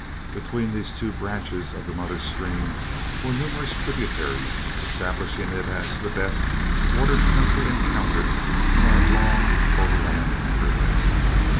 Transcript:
Between these two branches of the mother stream were numerous tributaries, establishing it as the best watered country encountered in our long overland cruise.